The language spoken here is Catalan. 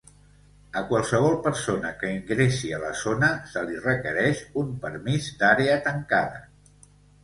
A qualsevol persona que ingressi a la zona, se li requereix un Permís d'Àrea Tancada.